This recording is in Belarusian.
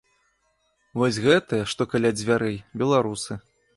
Вось гэтыя, што каля дзвярэй, беларусы.